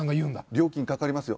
「料金かかりますよ」